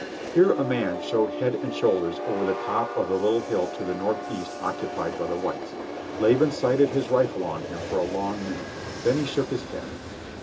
Here a man showed head and shoulders over the top of the little hill to the north east occupied by the whites. Laban sighted his rifle on him for a long minute. Then he shook his head.